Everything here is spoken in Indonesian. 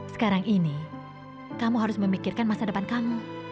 sekarang ini kamu harus memikirkan masa depan kamu